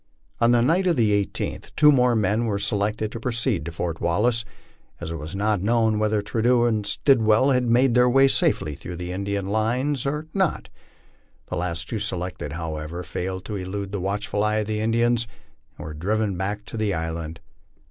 On the night of the 18th two more men were selected to proceed to Fort Wallace, as it was not known whether Trudeau and Stillwell had made their way safely through the Indian lines or not. The last two selected, however, failed to elude the watchful eyes of the Indians, and were driven back to the island.